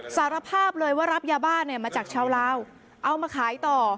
สารภาพเลยว่ารับยาบ้าเนี่ยมาจากชาวลาวเอามาขายต่อ